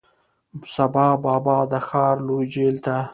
سبا بابا د ښار لوی جیل ته،